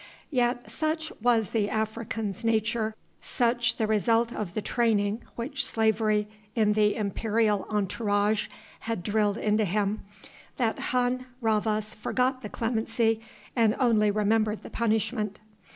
Yet such was the African's nature, such the result of the training which slavery in the imperial entourage had drilled into him, that Hun Rhavas forgot the clemency and only remembered the punishment.